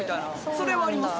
それはあります。